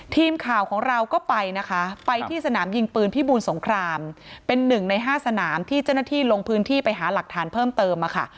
ทีมข่าวของเราก็ไปนะคะไปที่สนามยิงปืนพิบูลสงครามเป็นหนึ่งในห้าสนามที่เจ้าหน้าที่ลงพื้นที่ไปหาหลักฐานเพิ่มเติมมาค่ะ